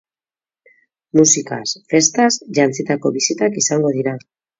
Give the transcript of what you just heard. Musikaz, festaz, jantzitako bisitak izango dira.